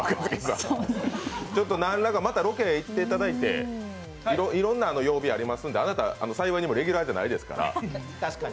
何らかまたロケ行っていただいて、いろんな曜日がありますんであなた、幸いにもレギュラーじゃないですから。